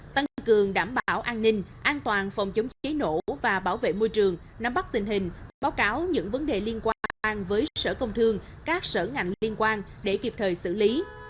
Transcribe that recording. tăng cường đảm bảo an ninh an toàn phòng chống cháy nổ và bảo vệ môi trường nắm bắt tình hình báo cáo những vấn đề liên quan với sở công thương các sở ngành liên quan để kịp thời xử lý